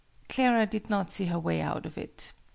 Clara did not see her way out of it.